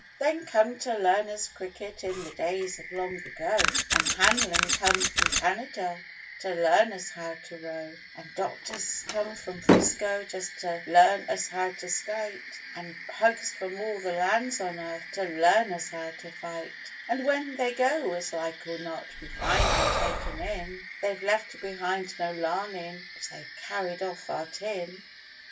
They come to learn us cricket in the days of long ago, An' Hanlan come from Canada to learn us how to row, An' 'doctors' come from 'Frisco just to learn us how to skite, An' 'pugs' from all the lands on earth to learn us how to fight; An' when they go, as like or not, we find we're taken in, They've left behind no larnin' but they've carried off our tin.